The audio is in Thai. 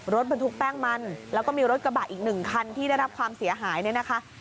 รถบรรทุกแป้งมันแล้วก็มีรถกระบะอีกหนึ่งคันที่ได้รับความเสียหายเนี่ยนะคะ